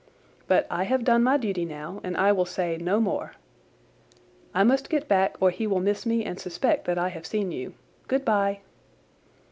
But I have done my duty now and I will say no more. I must go back, or he will miss me and suspect that I have seen you. Good bye!"